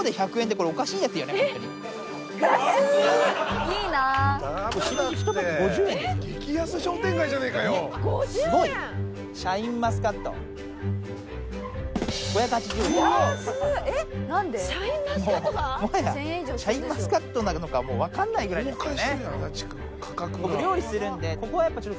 もはやシャインマスカットなのかもう分かんないぐらいですよね。